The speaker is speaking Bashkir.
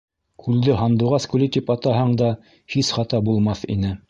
...Күлде «Һандуғас күле» тип атаһаң да, һис хата булмаҫ ине.